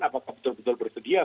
apakah betul betul bersedia